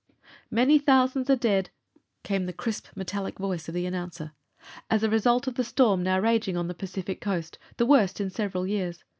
"Many thousands are dead," came the crisp, metallic voice of the announcer, "as a result of the storm now raging on the Pacific coast, the worst in several years.